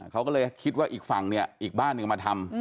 เขาก็เลยคิดว่าอีกฝั่งเนี่ยอีกบ้านหนึ่งมาทำ